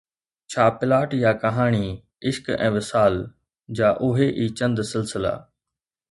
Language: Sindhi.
ڇا پلاٽ يا ڪهاڻي، عشق ۽ وصال جا اهي ئي چند سلسلا.